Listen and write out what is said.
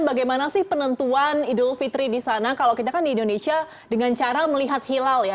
bagaimana sih penentuan idul fitri di sana kalau kita kan di indonesia dengan cara melihat hilal ya